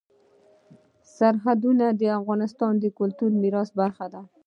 سرحدونه د افغانستان د کلتوري میراث برخه ده.